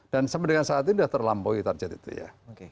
dan sama dengan saat ini sudah terlampau target itu ya